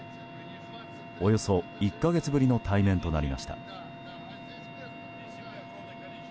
およそ１か月ぶりの対面となりました。